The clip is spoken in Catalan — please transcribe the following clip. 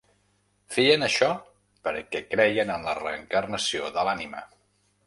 Feien això perquè creien en la reencarnació de l'ànima.